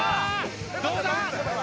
どうだ！